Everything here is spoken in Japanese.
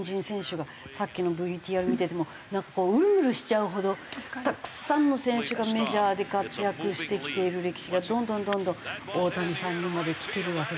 さっきのＶＴＲ見ててもなんかウルウルしちゃうほどたくさんの選手がメジャーで活躍してきている歴史がどんどんどんどん大谷さんにまできてるわけでしょ？